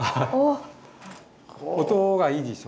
音がいいでしょ？